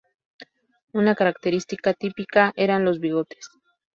Una característica típica eran los bigotes.